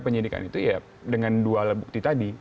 penyidikan itu ya dengan dua alat bukti tadi